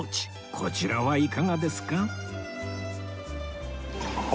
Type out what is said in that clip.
こちらはいかがですか？